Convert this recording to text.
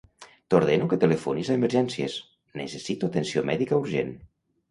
T'ordeno que telefonis a Emergències; necessito atenció mèdica urgent.